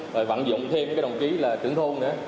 rồi vận dụng thêm những cái đồng chí là trưởng thôn nữa